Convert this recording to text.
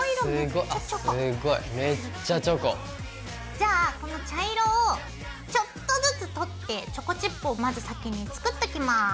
じゃあこの茶色をちょっとずつ取ってチョコチップをまず先に作っときます。